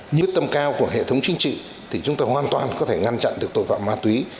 nhưng quyết tâm cao của hệ thống chính trị thì chúng ta hoàn toàn có thể ngăn chặn được tội phạm ma túy